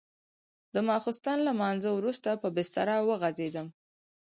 د ماخستن له لمانځه وروسته په بستره وغځېدم.